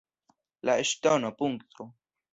La ŝtono, punkto